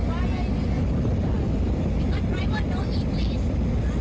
ทุกคนคุ้มมี่กัน